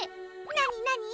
なになに？